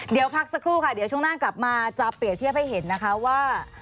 เดี๋ยวพักสักครู่ค่ะเดี๋ยวช่วงหน้ากลับมาจะเปรียบเทียบให้เห็นนะคะว่า